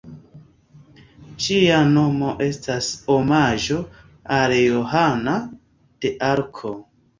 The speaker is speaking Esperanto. Ĝia nomo estas omaĝo al Johana de Arko.